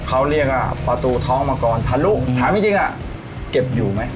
เขาเรียกว่าประตูท้องมังกรทะลุถามจริงอ่ะเก็บอยู่ไหม